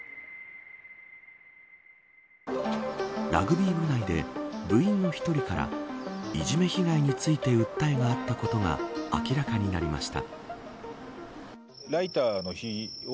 ラグビー部内で部員の１人からいじめ被害について訴えがあったことが明らかになりました。